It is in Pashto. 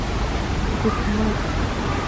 💍 ګوتمه